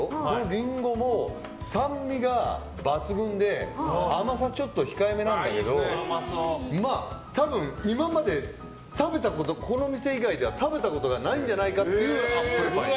リンゴも酸味が抜群で甘さちょっと控えめなんだけど多分、今までこのお店以外では食べたことがないんじゃないかっていうアップルパイ。